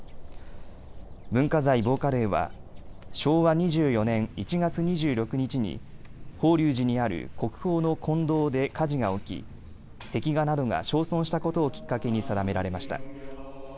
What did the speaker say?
文化財防火デーは昭和２４年１月２６日に法隆寺にある国宝の金堂で火事が起き壁画などが焼損したことをきっかけに定められました。